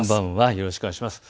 よろしくお願いします。